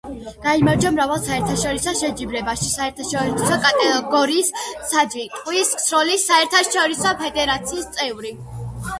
გაიმარჯვა მრავალ საერთაშორისო შეჯიბრებაში, საერთაშორისო კატეგორიის მსაჯი, ტყვიის სროლის საერთაშორისო ფედერაციის წევრი.